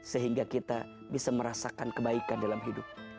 sehingga kita bisa merasakan kebaikan dalam hidup